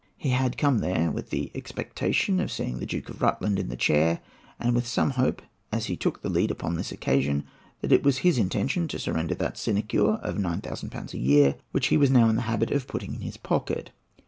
He had come there with the expectation of seeing the Duke of Rutland in the chair; and with some hopes, as he took the lead upon this occasion, that it was his intention to surrender that sinecure of 9,000£ a year which he was now in the habit of putting in his pocket.